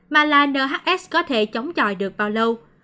mà là nhs có thể chống chọi được bao lâu